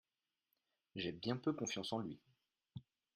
J'ai bien peu confiance en lui.